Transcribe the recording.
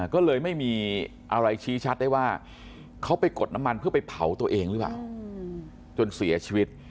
ก็เลยไม่มีอะไรชี้ชัดได้ว่าเขาไปกดน้ำมันเพื่อไปเผาตัวเองหรือเปล่าจนเสียชีวิต